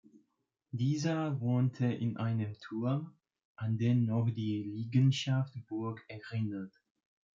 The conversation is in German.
Dieser wohnte in einem Turm, an den noch die Liegenschaft Burg erinnert.